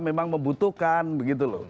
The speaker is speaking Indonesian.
memang membutuhkan begitu loh